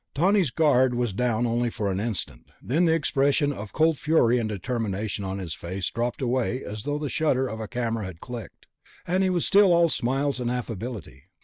Tawney's guard was down only for an instant; then the expression of cold fury and determination on his face dropped away as though the shutter of a camera had clicked, and he was all smiles and affability.